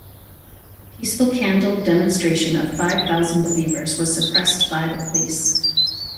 The peaceful Candle Demonstration of five thousand believers was suppressed by the police.